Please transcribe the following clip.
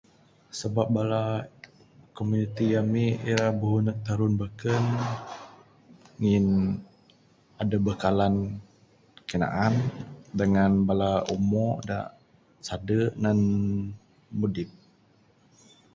Sabab bala komuniti ami ira buhu neg tarun beken ngin adeh bekalan kayuh naan dangan bala umo da sade nan mudip